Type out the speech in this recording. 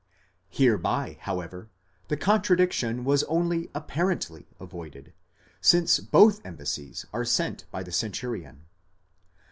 Hereby, however, the contradiction was only apparently avoided, since both embassies are sent by the centurion.